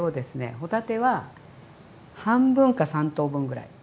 帆立ては半分か三等分ぐらい。